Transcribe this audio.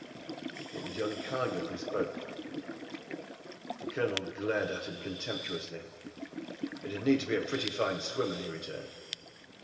It was young Cargill who spoke. The Colonel glared at him contemptuously. "He would need to be a pretty fine swimmer," he returned.